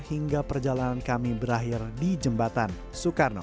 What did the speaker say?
hingga perjalanan kami berakhir di jembatan soekarno